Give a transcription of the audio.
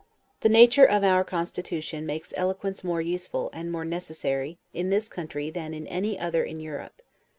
The nature of our constitution makes eloquence more useful, and more necessary, in this country than in any other in Europe.